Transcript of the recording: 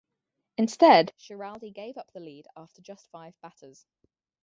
Instead, Schiraldi gave up the lead after just five batters.